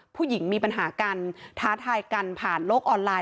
ผู้หญิงมีปัญหาการท้าทายกันผ่านโลกออนไลน์